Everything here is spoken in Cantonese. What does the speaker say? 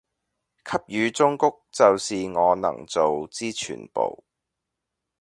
給予忠告就是我能做之全部